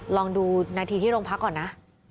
ลองดูนาทีที่โรงพักก่อนนะ